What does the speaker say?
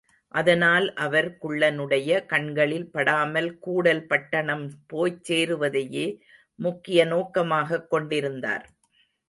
அதனால் அவர் குள்ளனுடைய கண்ணில் படாமல் கூடல் பட்டணம் போய்ச் சேருவதையே முக்கிய நோக்கமாகக் கொண்டிருந்தார்.